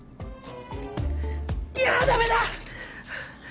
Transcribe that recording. いやダメだ！